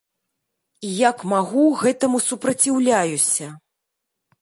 І як магу гэтаму супраціўляюся.